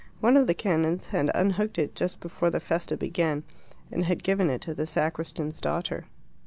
One of the canons had unhooked it just before the FIESTA began, and had given it to the sacristan's daughter.